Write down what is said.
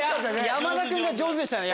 山田君が上手でしたね。